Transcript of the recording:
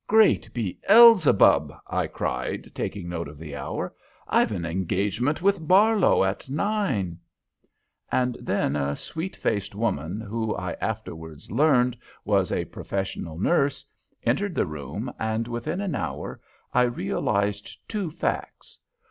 "Great Beelzebub!" I cried, taking note of the hour. "I've an engagement with Barlow at nine." And then a sweet faced woman, who, I afterwards learned, was a professional nurse, entered the room, and within an hour I realized two facts.